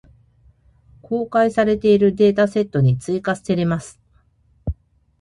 公開されているデータセットに追加せれます。